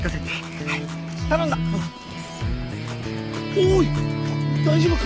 おい大丈夫か！？